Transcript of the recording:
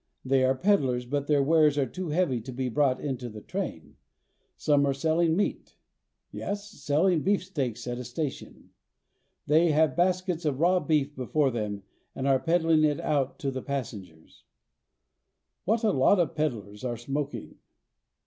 They are peddlers, but their wares are too heavy to be brought into the train. Some are selling meat. Yes, selling beefsteaks at a station ! They have baskets of raw beef before them, and are peddling it out to the passengers. As delicate as cobwebs. TRIP INTO THE INTERIOR. 231 What a lot of the peddlers are smoking